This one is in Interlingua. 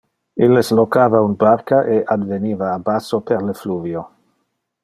Illes locava un barca e adveniva a basso per le fluvio.